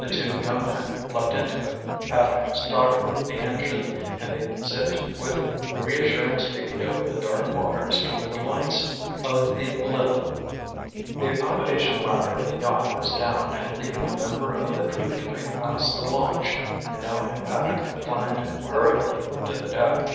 The two young men leaped into it, Paddock started the engine, and they zipped with reassuring speed over the dark waters toward the lights of the Lileth. The accommodation ladder of the yacht was down, and leaving a member of the crew to make fast the launch, Minot and Paddock climbed hurriedly to the deck. Mr.